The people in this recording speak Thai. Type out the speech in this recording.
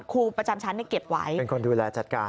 ครูประจำชั้นเก็บไว้เป็นคนดูแลจัดการ